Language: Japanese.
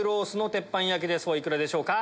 お幾らでしょうか？